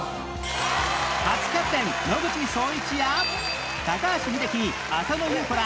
初キャプテン野口聡一や高橋英樹浅野ゆう子ら